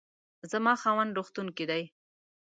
زما خاوند روغتون کې دی